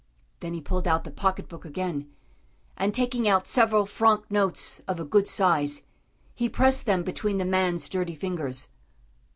Then he pulled out the pocket book again, and taking out several franc notes of a good size, he pressed them between the man's dirty fingers.